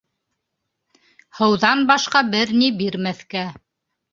Һыуҙан башҡа бер ни бирмәҫкә!